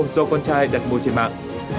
do con trai đặt mô trên mạng